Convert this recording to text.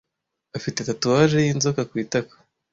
Afite tatouage yinzoka ku itako.